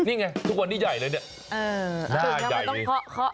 นี่ไงทุกวันนี้ใหญ่เลยเนี่ยหน้าใหญ่